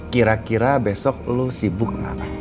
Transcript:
kira kira besok lo sibuk gak